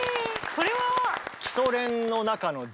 これは？